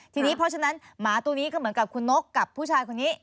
ทีนี้เพราะฉะนั้นหมาตัวนี้ก็เหมือนกับคุณนกกับผู้ชายคนนี้